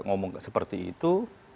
ngomong seperti itu